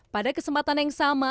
pada kesempatan yang sama